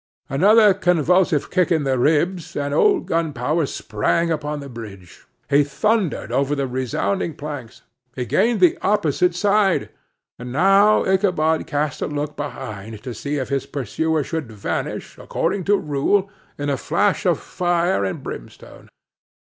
Another convulsive kick in the ribs, and old Gunpowder sprang upon the bridge; he thundered over the resounding planks; he gained the opposite side; and now Ichabod cast a look behind to see if his pursuer should vanish, according to rule, in a flash of fire and brimstone.